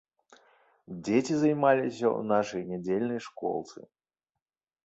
Дзеці займаліся ў нашай нядзельнай школцы.